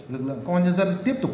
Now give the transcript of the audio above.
lực lượng công an nhân dân tiếp tục